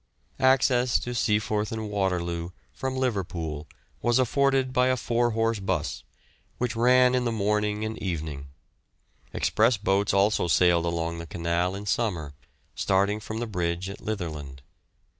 Access to Seaforth and Waterloo from Liverpool was afforded by a four horse 'bus, which ran in the morning and evening; express boats also sailed along the canal in summer, starting from the bridge at Litherland.